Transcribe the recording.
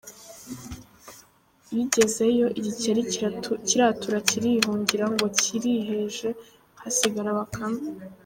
Bigezeyo, igikeri kiratura kirihungira ngo kiriheje, hasigara Bakame.